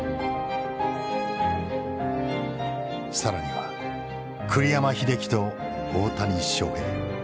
更には栗山英樹と大谷翔平。